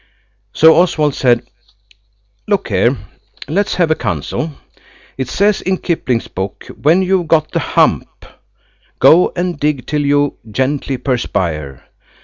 So Oswald said, "Look here, let's have a council. It says in Kipling's book when you've got the hump go and dig till you gently perspire.